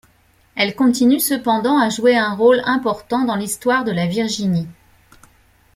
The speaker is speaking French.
Elle continue cependant à jouer un rôle important dans l'Histoire de la Virginie.